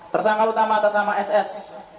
tersangka utama atas nama ss